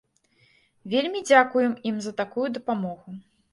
Вельмі дзякуем ім за такую дапамогу!